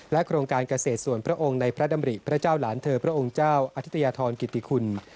โครงการเกษตรส่วนพระองค์ในพระดำริพระเจ้าหลานเธอพระองค์เจ้าอธิตยาธรกิติคุณ